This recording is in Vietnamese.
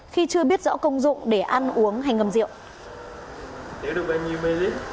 khi chưa biết rõ công dụng để ăn uống hay ngâm rượu